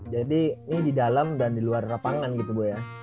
jadi ini di dalam dan di luar lapangan gitu ya